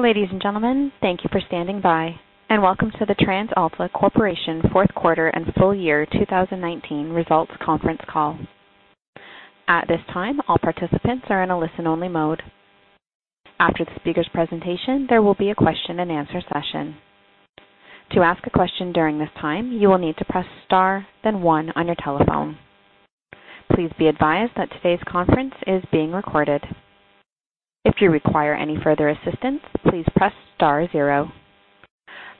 Ladies and gentlemen, thank you for standing by and welcome to the TransAlta Corporation Fourth Quarter and Full Year 2019 Results Conference Call. At this time, all participants are in a listen-only mode. After the speaker's presentation, there will be a question and answer session. To ask a question during this time, you will need to press star then one on your telephone. Please be advised that today's conference is being recorded. If you require any further assistance, please press star zero.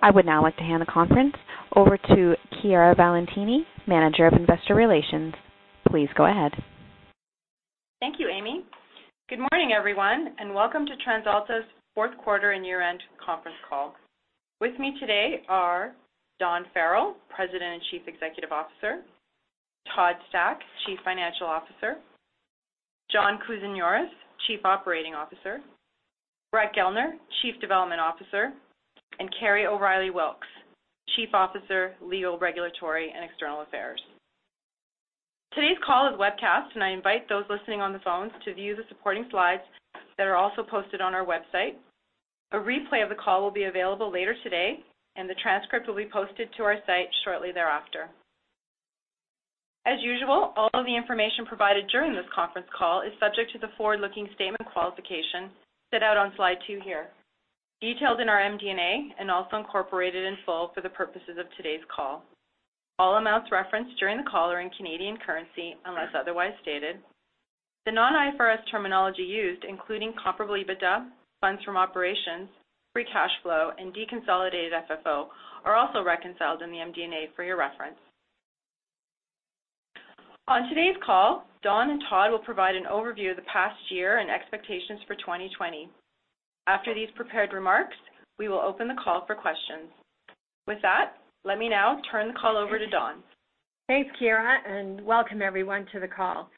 I would now like to hand the conference over to Chiara Valentini, Manager of Investor Relations. Please go ahead. Thank you, Amy. Good morning, everyone, welcome to TransAlta's fourth quarter and year-end conference call. With me today are Dawn Farrell, President and Chief Executive Officer, Todd Stack, Chief Financial Officer, John Kousinioris, Chief Operating Officer, Brett Gellner, Chief Development Officer, and Kerry O'Reilly Wilks, Chief Officer, Legal, Regulatory, and External Affairs. Today's call is webcast, and I invite those listening on the phones to view the supporting slides that are also posted on our website. A replay of the call will be available later today, and the transcript will be posted to our site shortly thereafter. As usual, all of the information provided during this conference call is subject to the forward-looking statement qualification set out on slide two here, detailed in our MD&A, and also incorporated in full for the purposes of today's call. All amounts referenced during the call are in Canadian currency, unless otherwise stated. The non-IFRS terminology used, including comparable EBITDA, funds from operations, free cash flow, and deconsolidated FFO, are also reconciled in the MD&A for your reference. On today's call, Dawn and Todd will provide an overview of the past year and expectations for 2020. After these prepared remarks, we will open the call for questions. With that, let me now turn the call over to Dawn. Thanks, Chiara, and welcome everyone to the call.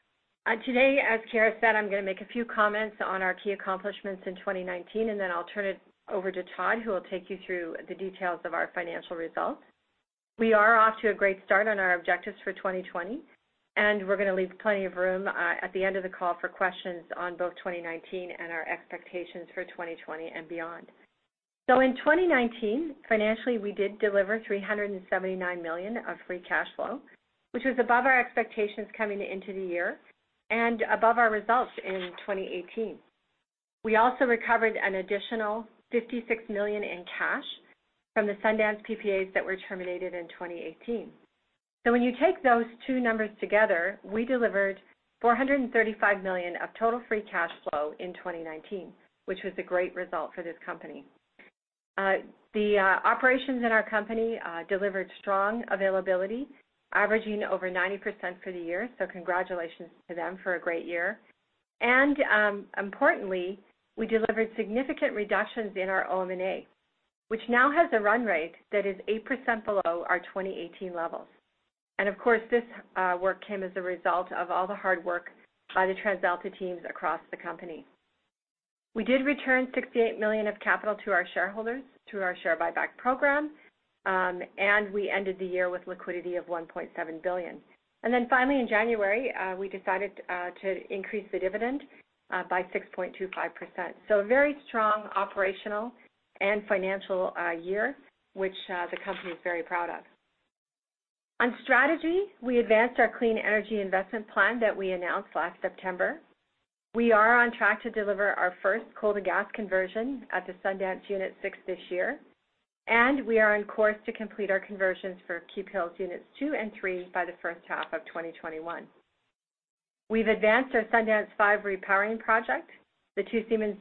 Today, as Chiara said, I'm going to make a few comments on our key accomplishments in 2019, and then I'll turn it over to Todd, who will take you through the details of our financial results. We are off to a great start on our objectives for 2020, and we're going to leave plenty of room at the end of the call for questions on both 2019 and our expectations for 2020 and beyond. In 2019, financially, we did deliver 379 million of free cash flow, which was above our expectations coming into the year and above our results in 2018. We also recovered an additional 56 million in cash from the Sundance PPAs that were terminated in 2018. When you take those two numbers together, we delivered 435 million of total free cash flow in 2019, which was a great result for this company. The operations in our company delivered strong availability, averaging over 90% for the year. Congratulations to them for a great year. Importantly, we delivered significant reductions in our OM&A, which now has a run rate that is 8% below our 2018 levels. Of course, this work came as a result of all the hard work by the TransAlta teams across the company. We did return 68 million of capital to our shareholders through our share buyback program, and we ended the year with liquidity of 1.7 billion. Finally, in January, we decided to increase the dividend by 6.25%. A very strong operational and financial year, which the company is very proud of. On strategy, we advanced our clean energy investment plan that we announced last September. We are on track to deliver our first coal-to-gas conversion at the Sundance Unit 6 this year, and we are on course to complete our conversions for Keephills Units 2 and 3 by the first half of 2021. We've advanced our Sundance five repowering project. The two Siemens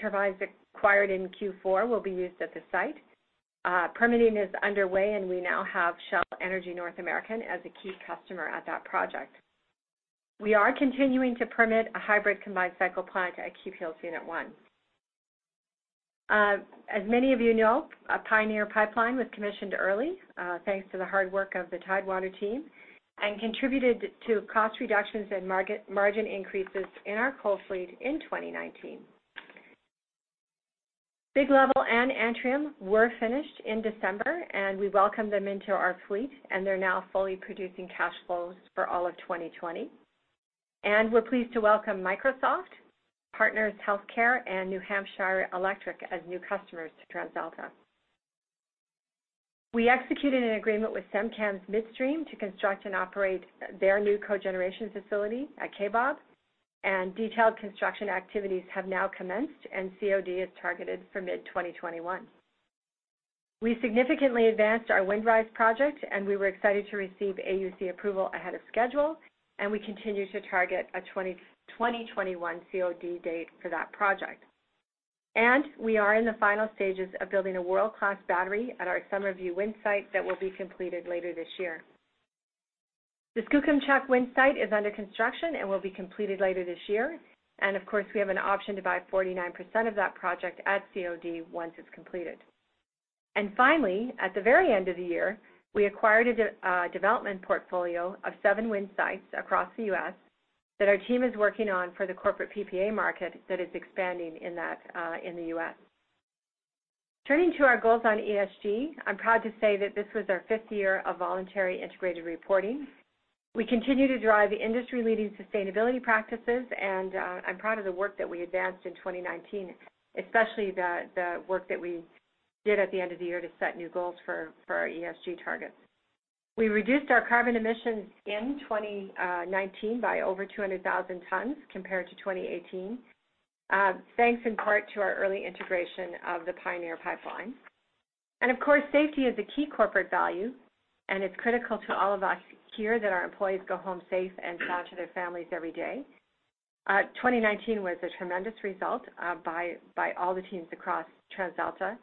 turbines acquired in Q4 will be used at the site. Permitting is underway, and we now have Shell Energy North America as a key customer at that project. We are continuing to permit a hybrid combined cycle plant at Keephills Unit 1. As many of you know, a Pioneer Pipeline was commissioned early, thanks to the hard work of the Tidewater team, and contributed to cost reductions and margin increases in our coal fleet in 2019. Big Level and Antrim were finished in December. We welcome them into our fleet. They're now fully producing cash flows for all of 2020. We're pleased to welcome Microsoft, Partners HealthCare, and New Hampshire Electric as new customers to TransAlta. We executed an agreement with SemCAMS Midstream to construct and operate their new cogeneration facility at Kaybob. Detailed construction activities have now commenced. COD is targeted for mid-2021. We significantly advanced our Windrise project. We were excited to receive AUC approval ahead of schedule. We continue to target a 2021 COD date for that project. We are in the final stages of building a world-class battery at our Summerview wind site that will be completed later this year. The Skookumchuck wind site is under construction and will be completed later this year. Of course, we have an option to buy 49% of that project at COD once it's completed. Finally, at the very end of the year, we acquired a development portfolio of seven wind sites across the U.S. that our team is working on for the corporate PPA market that is expanding in the U.S. Turning to our goals on ESG, I'm proud to say that this was our fifth year of voluntary integrated reporting. We continue to drive industry-leading sustainability practices, and I'm proud of the work that we advanced in 2019, especially the work that we did at the end of the year to set new goals for our ESG targets. We reduced our carbon emissions in 2019 by over 200,000 tons compared to 2018, thanks in part to our early integration of the Pioneer Pipeline. Of course, safety is a key corporate value, and it's critical to all of us here that our employees go home safe and sound to their families every day. 2019 was a tremendous result by all the teams across TransAlta.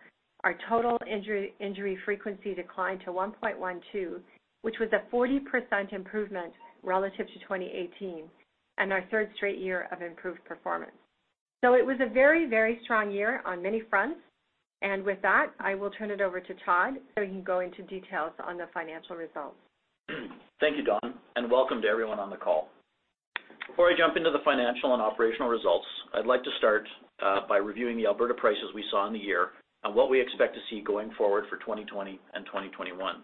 Our total injury frequency declined to 1.12, which was a 40% improvement relative to 2018 and our third straight year of improved performance. It was a very strong year on many fronts. With that, I will turn it over to Todd so he can go into details on the financial results. Thank you, Dawn. Welcome to everyone on the call. Before I jump into the financial and operational results, I'd like to start by reviewing the Alberta prices we saw in the year and what we expect to see going forward for 2020 and 2021.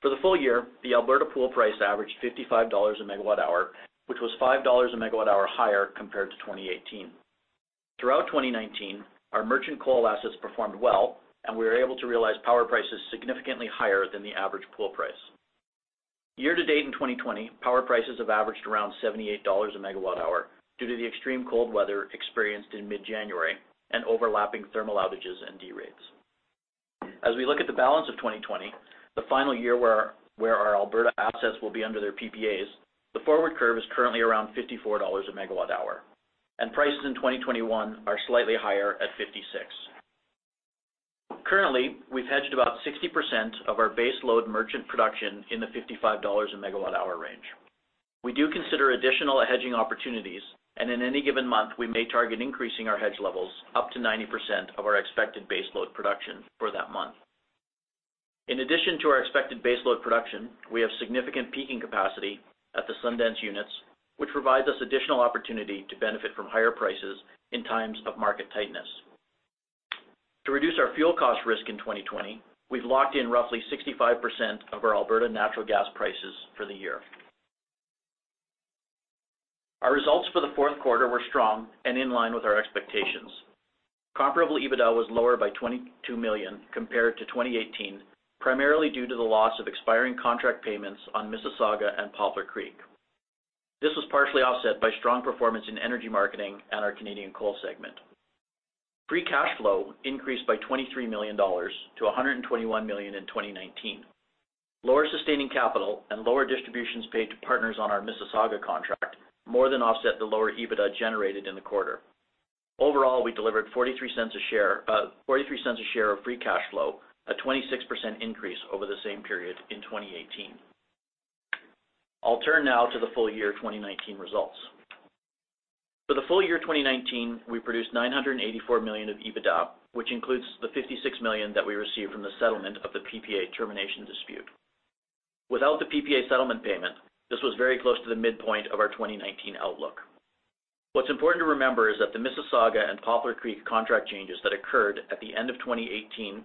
For the full year, the Alberta pool price averaged 55 dollars a megawatt hour, which was 5 dollars a megawatt hour higher compared to 2018. Throughout 2019, our merchant coal assets performed well, and we were able to realize power prices significantly higher than the average pool price. Year to date in 2020, power prices have averaged around 78 dollars a megawatt hour due to the extreme cold weather experienced in mid-January and overlapping thermal outages and de-rates. As we look at the balance of 2020, the final year where our Alberta assets will be under their PPAs, the forward curve is currently around 54 dollars a megawatt hour, and prices in 2021 are slightly higher at 56. Currently, we've hedged about 60% of our base load merchant production in the 55 dollars a megawatt hour range. We do consider additional hedging opportunities, and in any given month, we may target increasing our hedge levels up to 90% of our expected base load production for that month. In addition to our expected base load production, we have significant peaking capacity at the Sundance units, which provides us additional opportunity to benefit from higher prices in times of market tightness. To reduce our fuel cost risk in 2020, we've locked in roughly 65% of our Alberta natural gas prices for the year. Our results for the fourth quarter were strong and in line with our expectations. Comparable EBITDA was lower by CAD 22 million compared to 2018, primarily due to the loss of expiring contract payments on Mississauga and Poplar Creek. This was partially offset by strong performance in energy marketing and our Canadian coal segment. Free cash flow increased by 23 million dollars to 121 million in 2019. Lower sustaining capital and lower distributions paid to partners on our Mississauga contract more than offset the lower EBITDA generated in the quarter. Overall, we delivered 0.43 a share of free cash flow, a 26% increase over the same period in 2018. I'll turn now to the full year 2019 results. For the full year 2019, we produced 984 million of EBITDA, which includes the 56 million that we received from the settlement of the PPA termination dispute. Without the PPA settlement payment, this was very close to the midpoint of our 2019 outlook. What's important to remember is that the Mississauga and Poplar Creek contract changes that occurred at the end of 2018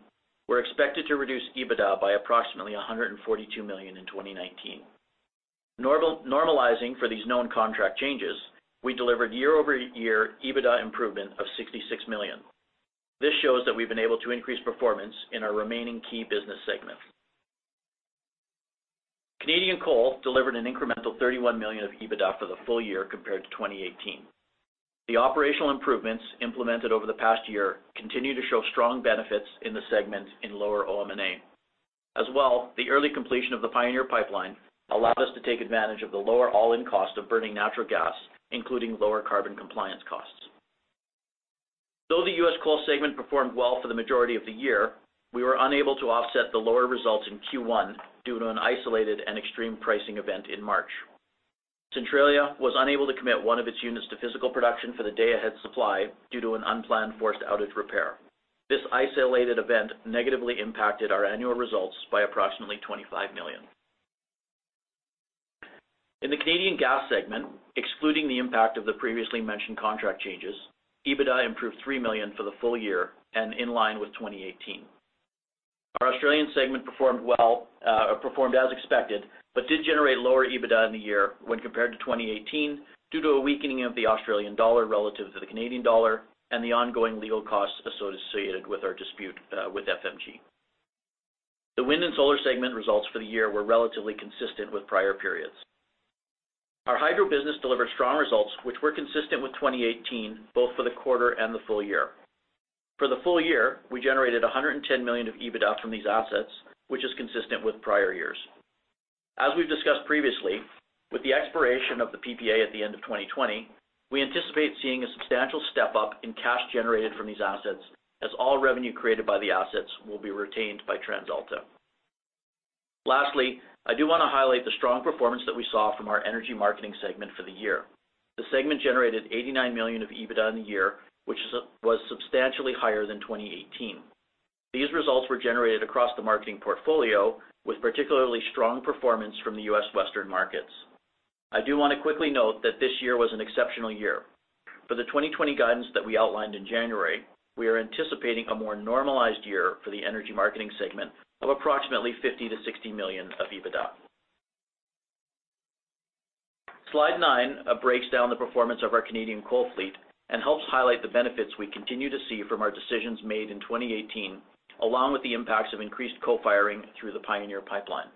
were expected to reduce EBITDA by approximately 142 million in 2019. Normalizing for these known contract changes, we delivered year-over-year EBITDA improvement of 66 million. This shows that we've been able to increase performance in our remaining key business segments. Canadian coal delivered an incremental 31 million of EBITDA for the full year compared to 2018. The operational improvements implemented over the past year continue to show strong benefits in the segment in lower OM&A. As well, the early completion of the Pioneer Pipeline allowed us to take advantage of the lower all-in cost of burning natural gas, including lower carbon compliance costs. Though the U.S. coal segment performed well for the majority of the year, we were unable to offset the lower results in Q1 due to an isolated and extreme pricing event in March. Centralia was unable to commit one of its units to physical production for the day-ahead supply due to an unplanned forced outage repair. This isolated event negatively impacted our annual results by approximately 25 million. In the Canadian gas segment, excluding the impact of the previously mentioned contract changes, EBITDA improved 3 million for the full year and in line with 2018. Our Australian segment performed as expected, but did generate lower EBITDA in the year when compared to 2018 due to a weakening of the Australian dollar relative to the Canadian dollar and the ongoing legal costs associated with our dispute with FMG. The wind and solar segment results for the year were relatively consistent with prior periods. Our hydro business delivered strong results, which were consistent with 2018, both for the quarter and the full year. For the full year, we generated 110 million of EBITDA from these assets, which is consistent with prior years. As we've discussed previously, with the expiration of the PPA at the end of 2020, we anticipate seeing a substantial step-up in cash generated from these assets as all revenue created by the assets will be retained by TransAlta. Lastly, I do want to highlight the strong performance that we saw from our energy marketing segment for the year. The segment generated 89 million of EBITDA in the year, which was substantially higher than 2018. These results were generated across the marketing portfolio with particularly strong performance from the U.S. Western markets. I do want to quickly note that this year was an exceptional year. For the 2020 guidance that we outlined in January, we are anticipating a more normalized year for the energy marketing segment of approximately 50 million to 60 million of EBITDA. Slide nine breaks down the performance of our Canadian coal fleet and helps highlight the benefits we continue to see from our decisions made in 2018, along with the impacts of increased co-firing through the Pioneer Pipeline.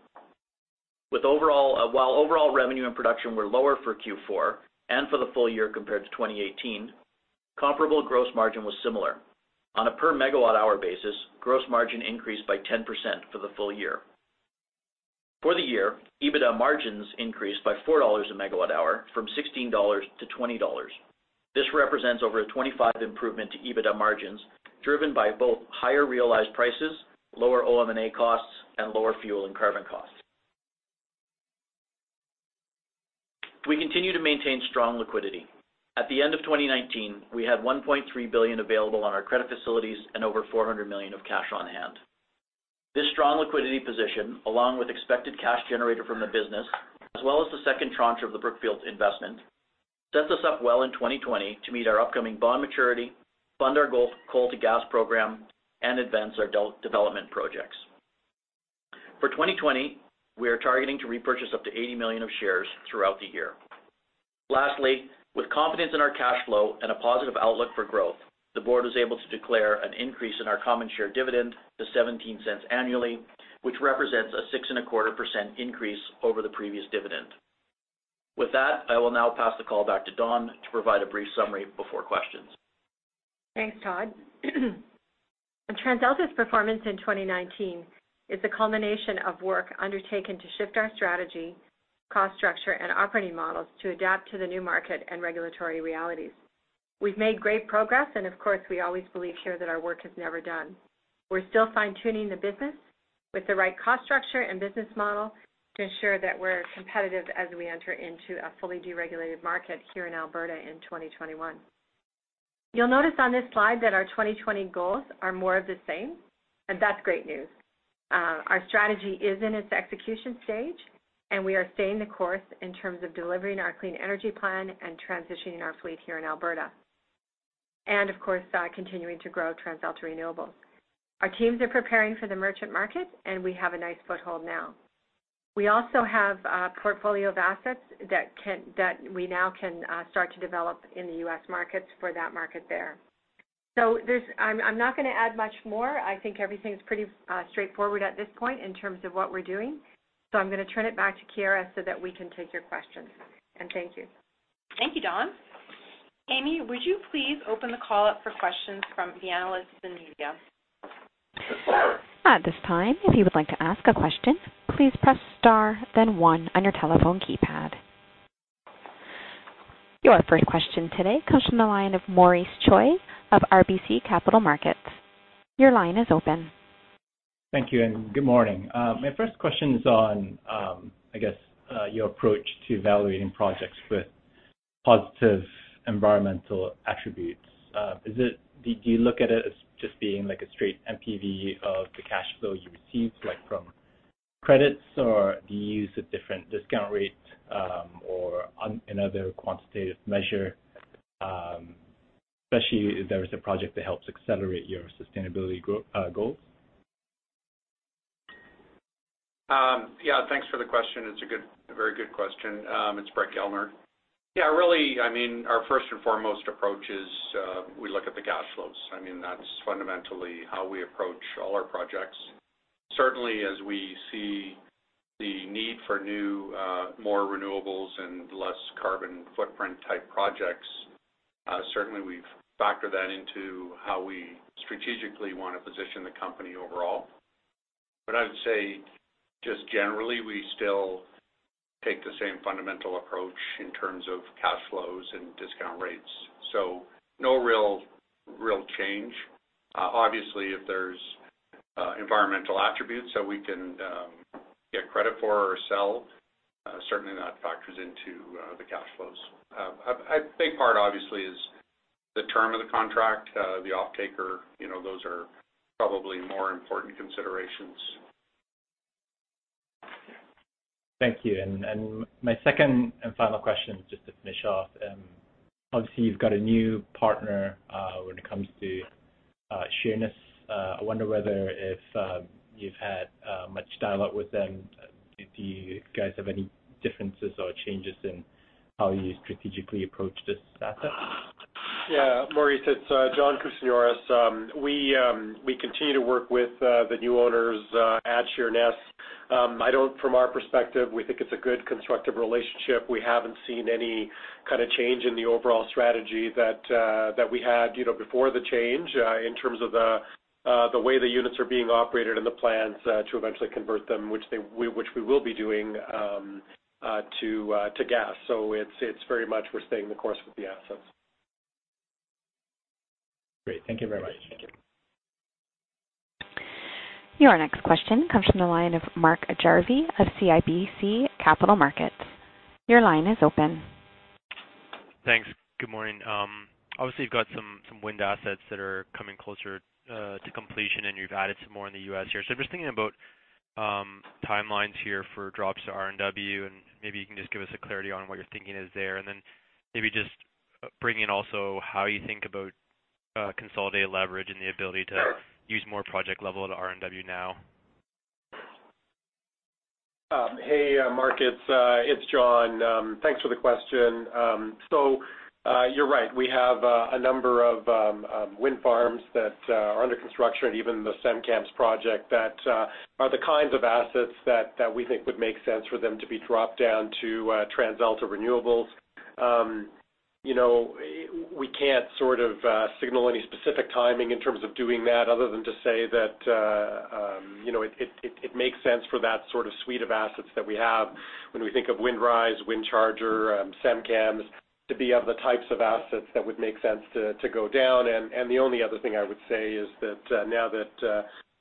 While overall revenue and production were lower for Q4 and for the full year compared to 2018, comparable gross margin was similar. On a per megawatt hour basis, gross margin increased by 10% for the full year. For the year, EBITDA margins increased by 4 dollars a megawatt hour from 16-20 dollars. This represents over a 25% improvement to EBITDA margins, driven by both higher realized prices, lower OM&A costs, and lower fuel and carbon costs. We continue to maintain strong liquidity. At the end of 2019, we had 1.3 billion available on our credit facilities and over 400 million of cash on hand. This strong liquidity position, along with expected cash generated from the business, as well as the second tranche of the Brookfield investment, sets us up well in 2020 to meet our upcoming bond maturity, fund our coal-to-gas program, and advance our development projects. For 2020, we are targeting to repurchase up to 80 million of shares throughout the year. Lastly, with confidence in our cash flow and a positive outlook for growth, the board was able to declare an increase in our common share dividend to 0.17 annually, which represents a 6.25% increase over the previous dividend. With that, I will now pass the call back to Dawn to provide a brief summary before questions. Thanks, Todd. TransAlta's performance in 2019 is the culmination of work undertaken to shift our strategy, cost structure, and operating models to adapt to the new market and regulatory realities. We've made great progress. Of course, we always believe here that our work is never done. We're still fine-tuning the business with the right cost structure and business model to ensure that we're competitive as we enter into a fully deregulated market here in Alberta in 2021. You'll notice on this slide that our 2020 goals are more of the same. That's great news. Our strategy is in its execution stage. We are staying the course in terms of delivering our clean energy plan and transitioning our fleet here in Alberta. Of course, continuing to grow TransAlta Renewables. Our teams are preparing for the merchant market. We have a nice foothold now. We also have a portfolio of assets that we now can start to develop in the U.S. markets for that market there. I'm not going to add much more. I think everything's pretty straightforward at this point in terms of what we're doing. I'm going to turn it back to Chiara so that we can take your questions. Thank you. Thank you, Dawn. Amy, would you please open the call up for questions from the analysts and media? At this time, if you would like to ask a question, please press star, then one on your telephone keypad. Your first question today comes from the line of Maurice Choy of RBC Capital Markets. Your line is open. Thank you, and good morning. My first question is on, I guess, your approach to evaluating projects with positive environmental attributes. Do you look at it as just being a straight NPV of the cash flow you receive from credits, or do you use a different discount rate, or another quantitative measure, especially if there is a project that helps accelerate your sustainability goals? Yeah. Thanks for the question. It's a very good question. It's Brett Gellner. Really, our first and foremost approach is we look at the cash flows. That's fundamentally how we approach all our projects. Certainly, as we see the need for new, more renewables and less carbon footprint type projects, certainly we factor that into how we strategically want to position the company overall. I would say just generally, we still take the same fundamental approach in terms of cash flows and discount rates. No real change. Obviously, if there's environmental attributes that we can get credit for or sell, certainly that factors into the cash flows. A big part, obviously, is the term of the contract, the offtaker. Those are probably more important considerations. Thank you. My second and final question, just to finish off. Obviously, you've got a new partner when it comes to Sheerness. I wonder whether if you've had much dialogue with them. Do you guys have any differences or changes in how you strategically approach this asset? Yeah. Maurice, it's John Kousinioris. We continue to work with the new owners at Sheerness. From our perspective, we think it's a good, constructive relationship. We haven't seen any kind of change in the overall strategy that we had before the change in terms of the way the units are being operated and the plans to eventually convert them, which we will be doing, to gas. It's very much we're staying the course with the assets. Great. Thank you very much. Thank you. Your next question comes from the line of Mark Jarvi of CIBC Capital Markets. Your line is open. Thanks. Good morning. You've got some wind assets that are coming closer to completion, and you've added some more in the U.S. here. I'm just thinking about timelines here for drops to RNW, and maybe you can just give us a clarity on what your thinking is there, and then maybe just bring in also how you think about consolidated leverage. Sure Use more project level at RNW now. Hey, Mark, it's John. Thanks for the question. You're right. We have a number of wind farms that are under construction, even the SemCAMS project, that are the kinds of assets that we think would make sense for them to be dropped down to TransAlta Renewables. We can't sort of signal any specific timing in terms of doing that other than to say that it makes sense for that sort of suite of assets that we have when we think of Windrise, WindCharger, SemCAMS, to be of the types of assets that would make sense to go down. The only other thing I would say is that now that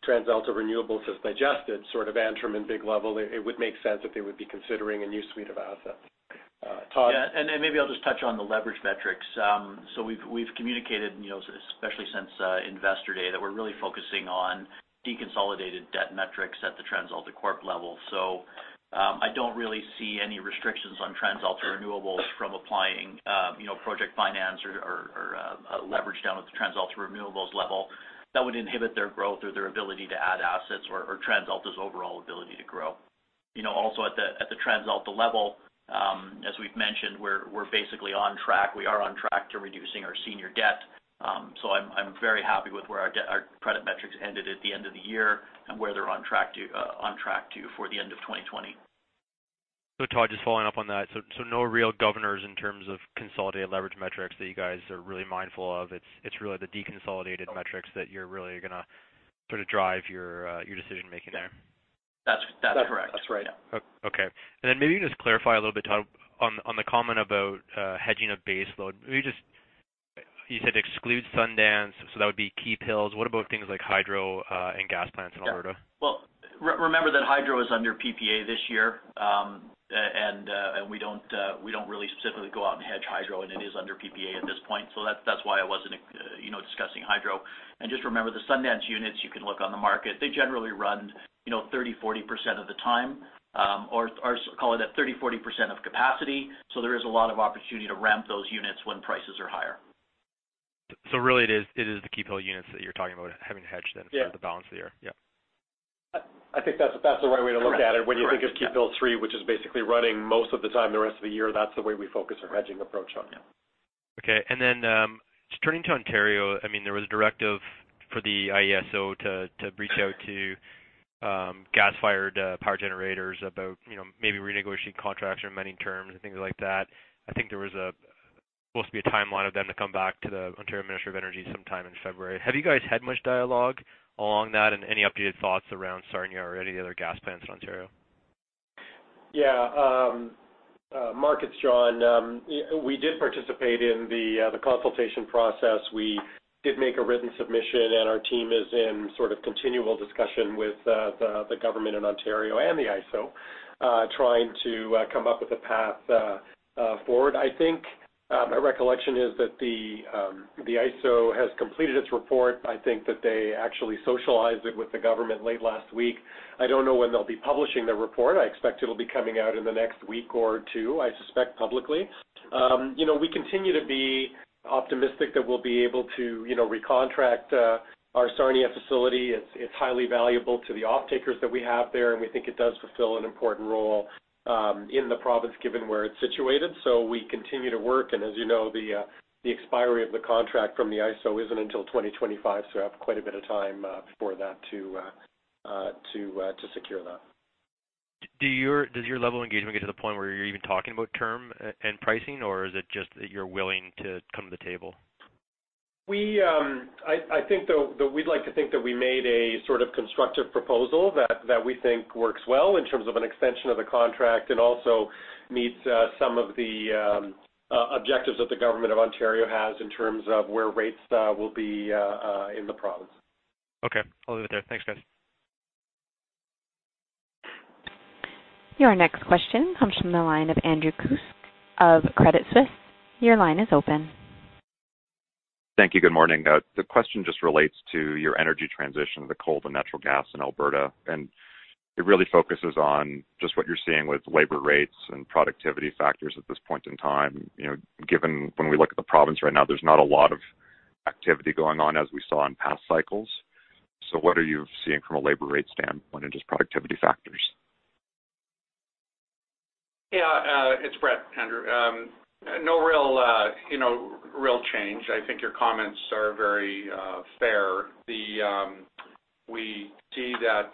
TransAlta Renewables has digested sort of Antrim and Big Level, it would make sense that they would be considering a new suite of assets. Todd? Maybe I'll just touch on the leverage metrics. We've communicated, especially since Investor Day, that we're really focusing on deconsolidated debt metrics at the TransAlta Corp level. I don't really see any restrictions on TransAlta Renewables from applying project finance or leverage down at the TransAlta Renewables level that would inhibit their growth or their ability to add assets or TransAlta's overall ability to grow. Also at the TransAlta level, as we've mentioned, we're basically on track. We are on track to reducing our senior debt. I'm very happy with where our credit metrics ended at the end of the year and where they're on track to for the end of 2020. Todd, just following up on that, so no real governors in terms of consolidated leverage metrics that you guys are really mindful of. It's really the deconsolidated metrics that you're really going to sort of drive your decision-making there. That's correct. That's right. Okay. Maybe just clarify a little bit, Todd, on the comment about hedging of base load. You said to exclude Sundance, that would be Keephills. What about things like hydro and gas plants in Alberta? Well, remember that hydro is under PPA this year. We don't really specifically go out and hedge hydro, and it is under PPA at this point. That's why I wasn't discussing hydro. Just remember, the Sundance units, you can look on the market. They generally run 30%, 40% of the time, or call it at 30%, 40% of capacity. There is a lot of opportunity to ramp those units when prices are higher. Really it is the Keephills units that you're talking about having to hedge? Yeah For the balance of the year. Yep. I think that's the right way to look at it. Correct. When you think of Keephills 3, which is basically running most of the time, the rest of the year, that's the way we focus our hedging approach on. Yeah. Okay. Just turning to Ontario, there was a directive for the IESO to reach out to gas-fired power generators about maybe renegotiating contracts or amending terms and things like that. I think there was supposed to be a timeline of them to come back to the Ontario Ministry of Energy sometime in February. Have you guys had much dialogue along that, and any updated thoughts around Sarnia or any of the other gas plants in Ontario? Yeah. Mark, it's John. We did participate in the consultation process. We did make a written submission, and our team is in sort of continual discussion with the government in Ontario and the IESO, trying to come up with a path forward. I think my recollection is that the IESO has completed its report. I think that they actually socialized it with the government late last week. I don't know when they'll be publishing the report. I expect it'll be coming out in the next week or two, I suspect publicly. We continue to be optimistic that we'll be able to recontract our Sarnia facility. It's highly valuable to the off-takers that we have there, and we think it does fulfill an important role in the province, given where it's situated. We continue to work, and as you know, the expiry of the contract from the IESO isn't until 2025, so we have quite a bit of time before that to secure that. Does your level of engagement get to the point where you're even talking about term and pricing, or is it just that you're willing to come to the table? We'd like to think that we made a sort of constructive proposal that we think works well in terms of an extension of the contract and also meets some of the objectives that the government of Ontario has in terms of where rates will be in the province. Okay. I'll leave it there. Thanks, guys. Your next question comes from the line of Andrew Kuske of Credit Suisse. Your line is open. Thank you. Good morning. The question just relates to your energy transition of the coal-to-gas in Alberta, and it really focuses on just what you're seeing with labor rates and productivity factors at this point in time. Given when we look at the province right now, there's not a lot of activity going on as we saw in past cycles. What are you seeing from a labor rate standpoint and just productivity factors? Yeah. It's Brett, Andrew. No real change. I think your comments are very fair. We see that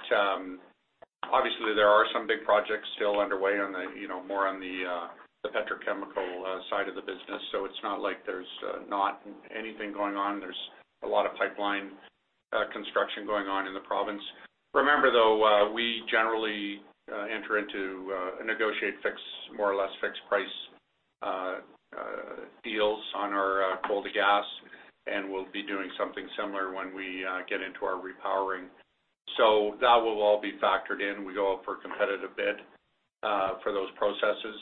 obviously there are some big projects still underway more on the petrochemical side of the business, so it's not like there's not anything going on. There's a lot of pipeline construction going on in the province. Remember, though, we generally enter into a negotiate more or less fixed price deals on our coal-to-gas. We'll be doing something similar when we get into our repowering. That will all be factored in. We go out for a competitive bid for those processes.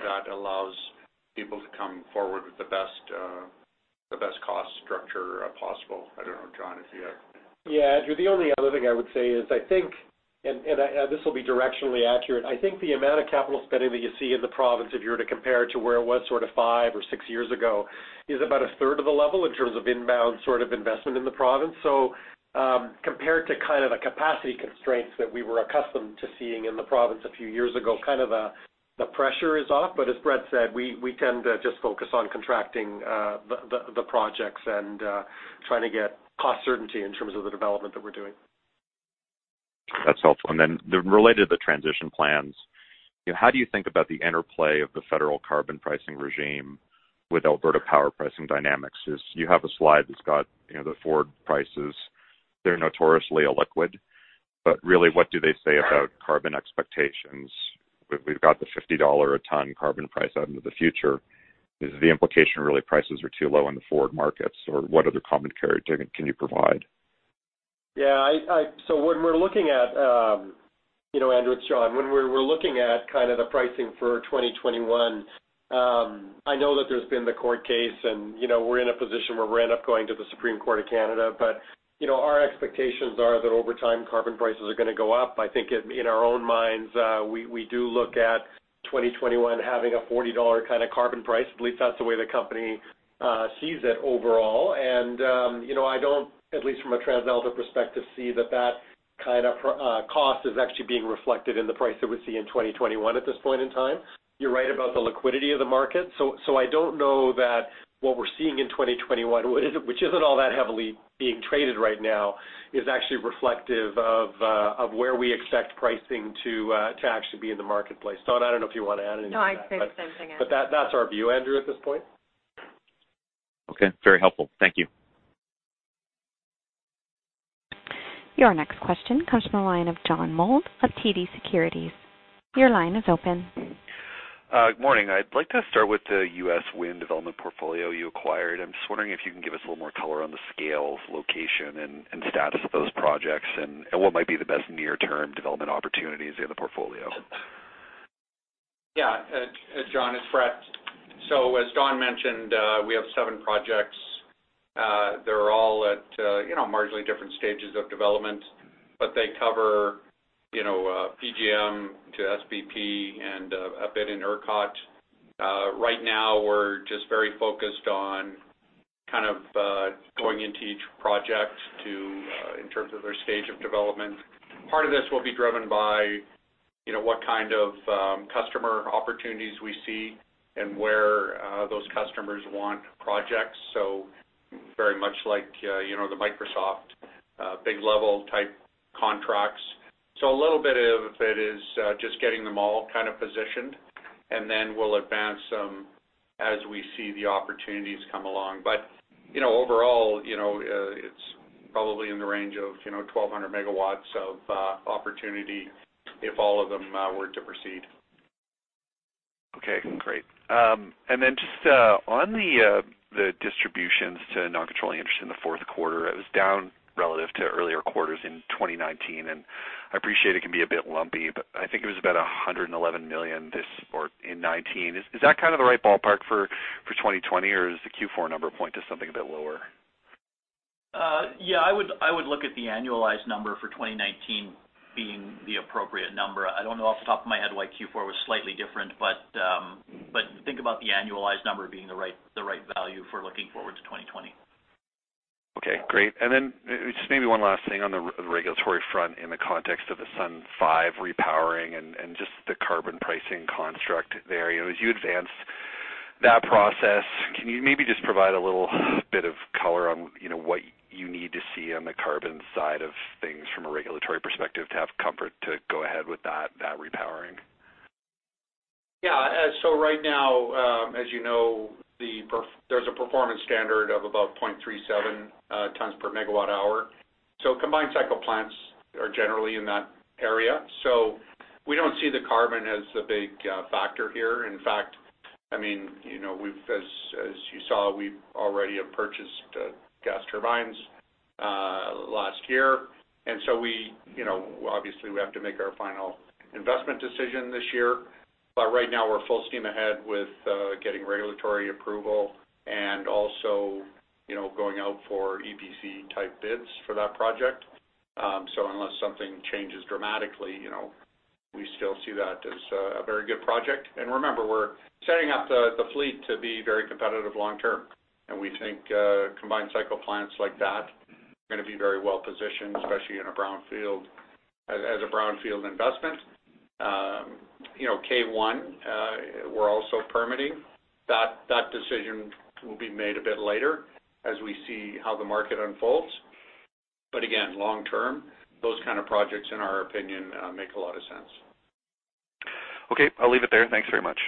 That allows people to come forward with the best cost structure possible. I don't know, John, if you have. Yeah, Andrew, the only other thing I would say is, I think, and this will be directionally accurate, I think the amount of capital spending that you see in the province, if you were to compare it to where it was sort of five or six years ago, is about a third of the level in terms of inbound investment in the province. Compared to capacity constraints that we were accustomed to seeing in the province a few years ago, the pressure is off. As Brett said, we tend to just focus on contracting the projects and trying to get cost certainty in terms of the development that we're doing. That's helpful. Related to the transition plans, how do you think about the interplay of the federal carbon pricing regime with Alberta power pricing dynamics is? You have a slide that's got the forward prices. They're notoriously illiquid. Really, what do they say about carbon expectations? We've got the 50 dollar a ton carbon price out into the future. Is the implication really prices are too low in the forward markets? What other commentary can you provide? Yeah. When we're looking at, Andrew, it's John. When we're looking at the pricing for 2021, I know that there's been the court case, and we're in a position where we end up going to the Supreme Court of Canada. Our expectations are that over time, carbon prices are going to go up. I think in our own minds, we do look at 2021 having a 40 dollar carbon price. At least that's the way the company sees it overall. I don't, at least from a TransAlta perspective, see that that kind of cost is actually being reflected in the price that we see in 2021 at this point in time. You're right about the liquidity of the market. I don't know that what we're seeing in 2021, which isn't all that heavily being traded right now, is actually reflective of where we expect pricing to actually be in the marketplace. Dawn, I don't know if you want to add anything to that? No, I'd say the same thing, Andrew. That's our view, Andrew, at this point. Okay. Very helpful. Thank you. Your next question comes from the line of John Mould of TD Securities. Your line is open. Good morning. I'd like to start with the U.S. Wind development portfolio you acquired. I'm just wondering if you can give us a little more color on the scale of location and status of those projects and what might be the best near-term development opportunities in the portfolio. John, it's Brett. As Dawn mentioned, we have seven projects. They're all at marginally different stages of development. They cover PJM to SPP and a bit in ERCOT. Right now, we're just very focused on going into each project in terms of their stage of development. Part of this will be driven by what kind of customer opportunities we see and where those customers want projects. Very much like the Microsoft big level type contracts. A little bit of it is just getting them all positioned, and then we'll advance them as we see the opportunities come along. Overall, it's probably in the range of 1,200 MW of opportunity if all of them were to proceed. Okay, great. Just on the distributions to non-controlling interest in the fourth quarter, it was down relative to earlier quarters in 2019. I appreciate it can be a bit lumpy, but I think it was about 111 million in 2019. Is that the right ballpark for 2020, or does the Q4 number point to something a bit lower? Yeah, I would look at the annualized number for 2019 being the appropriate number. I don't know off the top of my head why Q4 was slightly different, but think about the annualized number being the right value for looking forward to 2020. Okay, great. Just maybe one last thing on the regulatory front in the context of the Sundance 5 repowering and just the carbon pricing construct there. As you advance that process, can you maybe just provide a little bit of color on what you need to see on the carbon side of things from a regulatory perspective to have comfort to go ahead with that repowering? Yeah. Right now, as you know, there's a performance standard of about 0.37 tons per megawatt hour. Combined cycle plants are generally in that area. We don't see the carbon as a big factor here. In fact, as you saw, we already have purchased gas turbines last year. Obviously, we have to make our final investment decision this year. Right now, we're full steam ahead with getting regulatory approval and also going out for EPC-type bids for that project. Unless something changes dramatically, we still see that as a very good project. Remember, we're setting up the fleet to be very competitive long-term. We think combined cycle plants like that are going to be very well-positioned, especially as a brownfield investment. K1, we're also permitting. That decision will be made a bit later as we see how the market unfolds. Again, long-term, those kind of projects, in our opinion, make a lot of sense. Okay, I'll leave it there. Thanks very much.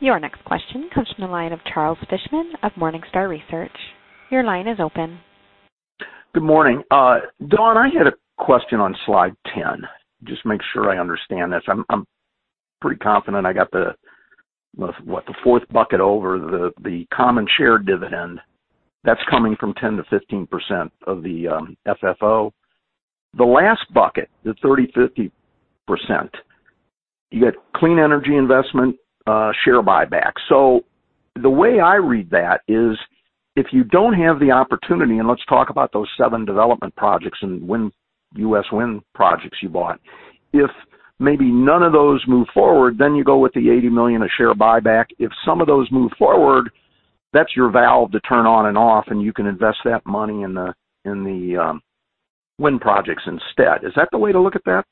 Your next question comes from the line of Charles Fishman of Morningstar Research. Your line is open. Good morning. Dawn, I had a question on slide 10. Just make sure I understand this. I'm pretty confident I got the fourth bucket over the common share dividend. That's coming from 10%-15% of the FFO. The last bucket, the 30%, 50%, you got clean energy investment, share buybacks. The way I read that is if you don't have the opportunity, and let's talk about those seven development projects and U.S. wind projects you bought. If maybe none of those move forward, you go with the 80 million of share buyback. If some of those move forward, that's your valve to turn on and off, and you can invest that money in the wind projects instead. Is that the way to look at that?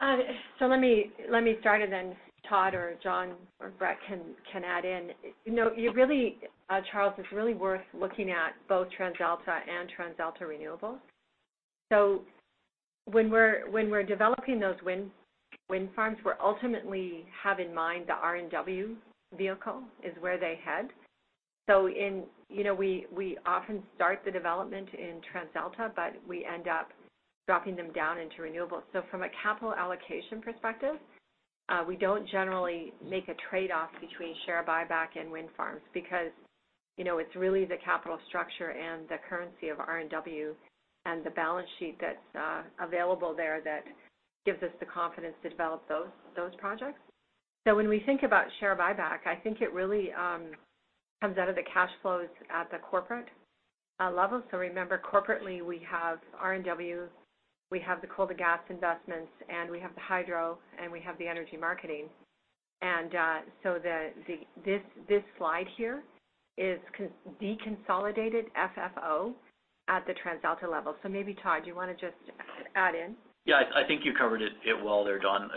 Let me start, and then Todd or John or Brett can add in. Charles, it's really worth looking at both TransAlta and TransAlta Renewables. When we're developing those wind farms, we ultimately have in mind the RNW vehicle is where they head. We often start the development in TransAlta, but we end up dropping them down into Renewables. From a capital allocation perspective, we don't generally make a trade-off between share buyback and wind farms because it's really the capital structure and the currency of RNW and the balance sheet that's available there that gives us the confidence to develop those projects. When we think about share buyback, I think it really comes out of the cash flows at the corporate level. Remember, corporately, we have RNW, we have the coal-to-gas investments, and we have the hydro, and we have the energy marketing. This slide here is deconsolidated FFO at the TransAlta level. Maybe, Todd, you want to just add in? Yeah, I think you covered it well there, Dawn.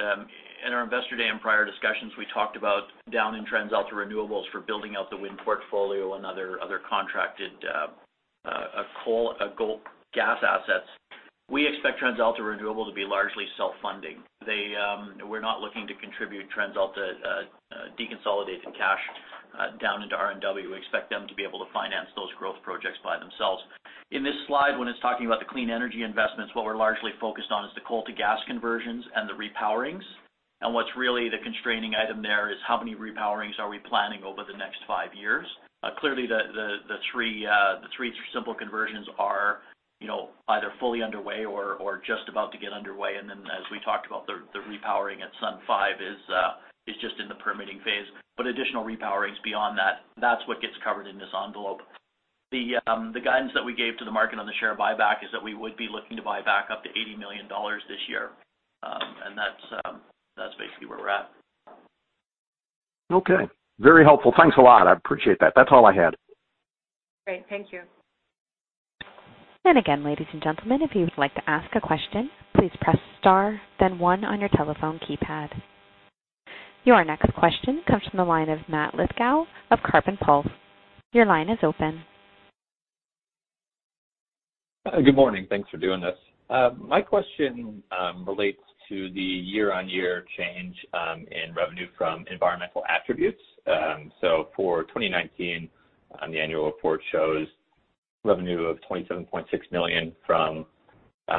In our investor day and prior discussions, we talked about down in TransAlta Renewables for building out the wind portfolio and other contracted coal-to-gas assets. We expect TransAlta Renewables to be largely self-funding. We're not looking to contribute TransAlta deconsolidated cash down into RNW. We expect them to be able to finance those growth projects by themselves. In this slide, when it's talking about the clean energy investments, what we're largely focused on is the coal-to-gas conversions and the repowerings. What's really the constraining item there is how many repowerings are we planning over the next 5 years? Clearly, the 3 simple conversions are either fully underway or just about to get underway. Then, as we talked about, the repowering at Sundance 5 is just in the permitting phase. Additional repowerings beyond that's what gets covered in this envelope. The guidance that we gave to the market on the share buyback is that we would be looking to buy back up to 80 million dollars this year. That's basically where we're at. Okay. Very helpful. Thanks a lot. I appreciate that. That's all I had. Great. Thank you. Again, ladies and gentlemen, if you would like to ask a question, please press star then one on your telephone keypad. Your next question comes from the line of Matthew Lithgow of Carbon Pulse. Your line is open. Good morning. Thanks for doing this. My question relates to the year-over-year change in revenue from environmental attributes. For 2019, the annual report shows revenue of 27.6 million from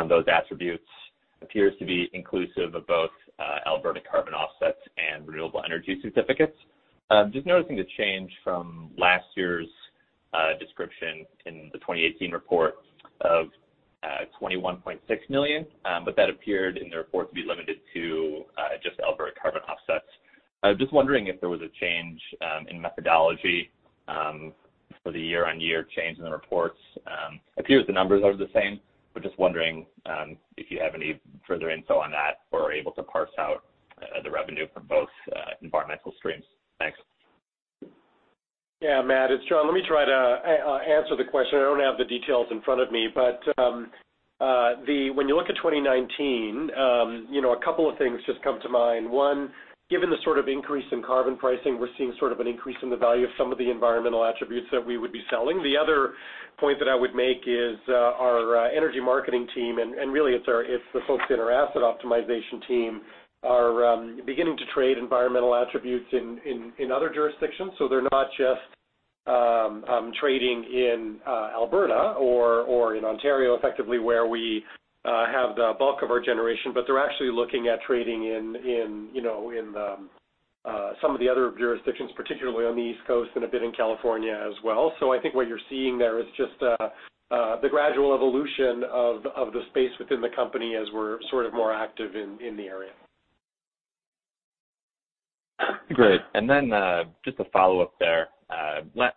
those attributes appears to be inclusive of both Alberta carbon offsets and renewable energy certificates. Just noticing the change from last year's description in the 2018 report of 21.6 million, but that appeared in the report to be limited to just Alberta carbon offsets. I was just wondering if there was a change in methodology for the year-over-year change in the reports. It appears the numbers are the same, but just wondering if you have any further info on that or are able to parse out the revenue from both environmental streams. Thanks. Yeah, Matt, it's John. Let me try to answer the question. I don't have the details in front of me. When you look at 2019, a couple of things just come to mind. One, given the sort of increase in carbon pricing, we're seeing sort of an increase in the value of some of the environmental attributes that we would be selling. The other point that I would make is our energy marketing team, and really it's the folks in our asset optimization team are beginning to trade environmental attributes in other jurisdictions. They're not just trading in Alberta or in Ontario, effectively where we have the bulk of our generation, but they're actually looking at trading in some of the other jurisdictions, particularly on the East Coast and a bit in California as well. I think what you're seeing there is just the gradual evolution of the space within the company as we're sort of more active in the area. Great. Just a follow-up there.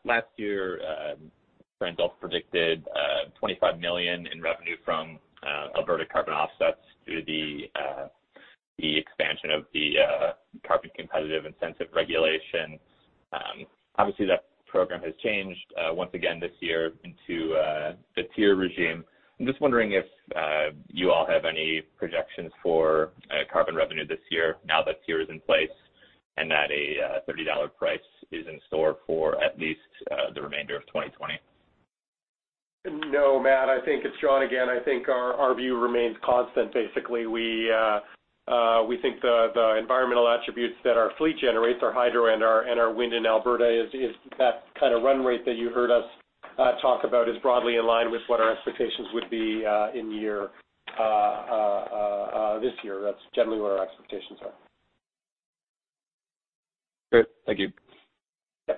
Last year, TransAlta predicted 25 million in revenue from Alberta carbon offsets due to the expansion of the Carbon Competitiveness Incentive Regulation. Obviously, that program has changed once again this year into the TIER regime. I'm just wondering if you all have any projections for carbon revenue this year now that TIER is in place and that a 30 dollar price is in store for at least the remainder of 2020. No, Matt. It's John again. I think our view remains constant, basically. We think the environmental attributes that our fleet generates, our hydro and our wind in Alberta, is that kind of run rate that you heard us talk about is broadly in line with what our expectations would be this year. That's generally where our expectations are. Great. Thank you. Yes.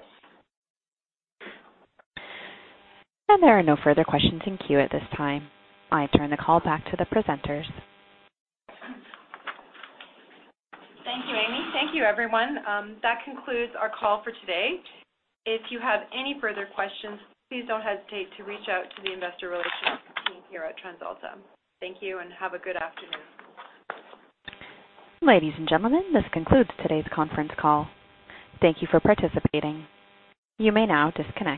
There are no further questions in queue at this time. I turn the call back to the presenters. Thank you, Amy. Thank you, everyone. That concludes our call for today. If you have any further questions, please don't hesitate to reach out to the investor relations team here at TransAlta. Thank you, and have a good afternoon. Ladies and gentlemen, this concludes today's conference call. Thank you for participating. You may now disconnect.